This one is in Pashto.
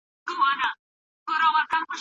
منظم حرکت وینه ښه ګرځوي.